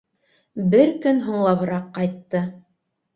Бер көн һуңлабыраҡ ҡайтты.